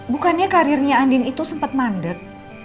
bukannya karirnya andin itu sempat mandek